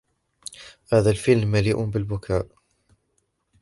هذا الفلم مليء بالبكاء.